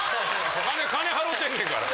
金払てんねんから。